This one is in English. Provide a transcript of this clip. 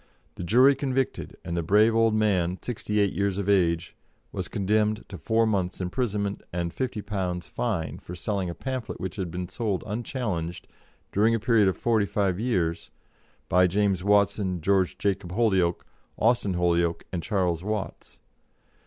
The jury convicted, and the brave old man, sixty eight years of age, was condemned to four months' imprisonment and £50 fine for selling a pamphlet which had been sold unchallenged, during a period of forty five years, by James Watson, George Jacob Holyoake, Austin Holyoake, and Charles Watts.